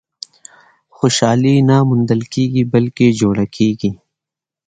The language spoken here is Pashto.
• خوشالي نه موندل کېږي، بلکې جوړه کېږي.